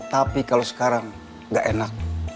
tapi kalau sekarang nggak enak